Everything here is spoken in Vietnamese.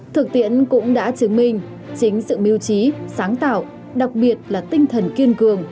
thực tiễn cũng đã chứng minh chính sự mưu trí sáng tạo đặc biệt là tinh thần kiên cường